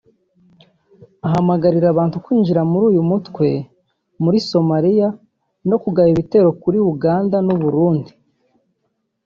ahamagarira abantu kwinjira muri uyu mutwe muri Somalia no kugaba ibitero kuri Uganda n’ u Burundi